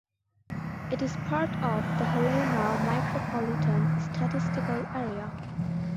It is part of the Helena Micropolitan Statistical Area.